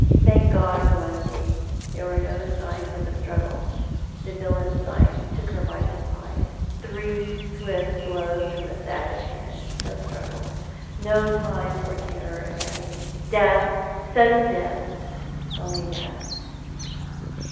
Thank God for one tiling, there were no signs of a struggle. The villain's knife took her by surprise. Three swift blows from the savage hand— no struggle, no time for terror and agony. Death, sudden death — only death."